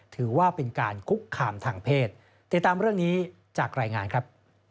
ถือว่าเป็นการคุกคามทางเพศติดตามเรื่องนี้จากรายงานครับ